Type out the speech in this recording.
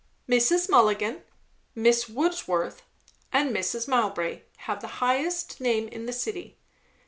"Mrs. Mulligan, Miss Wordsworth, and Mrs. Mowbray, have the highest name in the city."